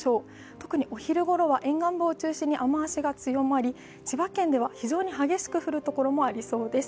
特に昼ごろは沿岸部を中心に雨足が強まり千葉県では非常に激しく降るところもありそうです。